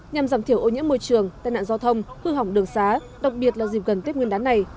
nhằm giảm thiểu ô nhiễm môi trường tai nạn giao thông hư hỏng đường xá đặc biệt là dịp gần tết nguyên đán này